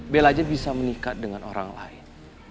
bella aja bisa menikah dengan orang lain